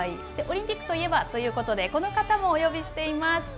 オリンピックといえばということで、この方もお呼びしています。